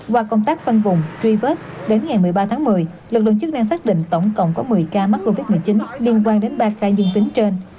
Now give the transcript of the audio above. qua công tác khoanh vùng truy vết đến ngày một mươi ba tháng một mươi lực lượng chức năng xác định tổng cộng có một mươi ca mắc covid một mươi chín liên quan đến ba ca dương tính trên